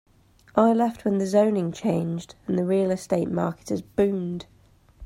I left when the zoning changed and the real estate market has boomed.